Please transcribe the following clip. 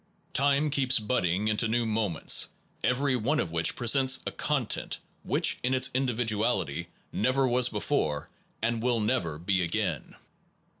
Time keeps budding into new mo ments, every one of which presents a content Percept which in its individuality never was ual nov elty before and will never be again.